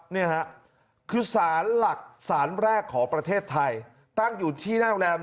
นี่ฮะคือสารหลักสารแรกของประเทศไทยตั้งอยู่ที่หน้าโรงแรม